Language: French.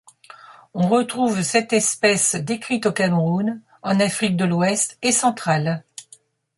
On retrouve cette espèce, décrite au Cameroun, en Afrique de l'Ouest et Centrale.